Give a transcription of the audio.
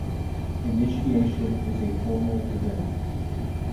Initiation is a formal event.